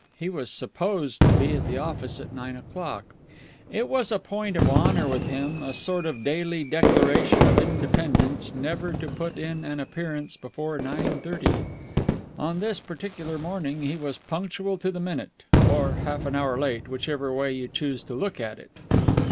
He was supposed to be at the office at nine o'clock. It was a point of honor with him, a sort of daily declaration of independence, never to put in an appearance before nine thirty. On this particular morning he was punctual to the minute, or half an hour late, whichever way you choose to look at it.